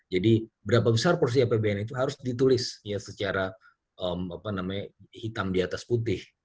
jadi berapa besar porsi apbn itu harus ditulis secara hitam di atas putih